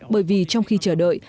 bởi vì trong khi chờ đợi